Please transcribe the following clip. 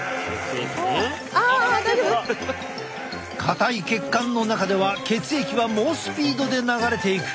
硬い血管の中では血液は猛スピードで流れていく。